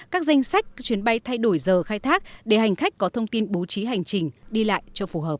các danh sách chuyến bay thay đổi giờ khai thác để hành khách có thông tin bố trí hành trình đi lại cho phù hợp